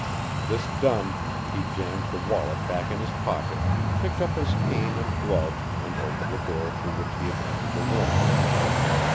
This done, he jammed the wallet back in his pocket, picked up his cane and gloves and opened the door through which he had entered the room.